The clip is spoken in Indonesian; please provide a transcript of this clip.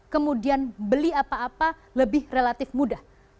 kemudian beli apa apa lebih relatif mudah